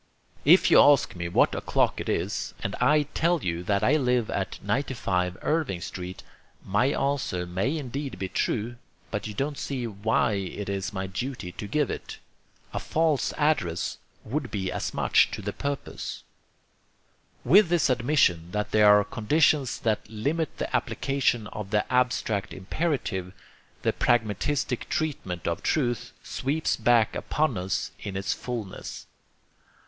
If you ask me what o'clock it is and I tell you that I live at 95 Irving Street, my answer may indeed be true, but you don't see why it is my duty to give it. A false address would be as much to the purpose. With this admission that there are conditions that limit the application of the abstract imperative, THE PRAGMATISTIC TREATMENT OF TRUTH SWEEPS BACK UPON US IN ITS FULNESS.